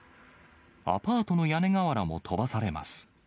アパートの屋根瓦も飛ばされます。